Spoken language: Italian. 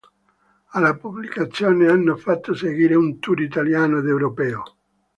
Alla pubblicazione hanno fatto seguire un tour italiano ed europeo.